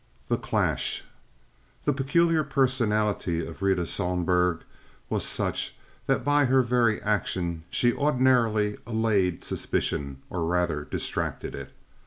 The Clash The peculiar personality of Rita Sohlberg was such that by her very action she ordinarily allayed suspicion, or rather distracted it.